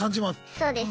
そうです。